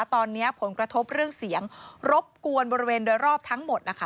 ตอนนี้ผลกระทบเรื่องเสียงรบกวนบริเวณโดยรอบทั้งหมดนะคะ